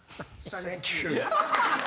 サンキュー。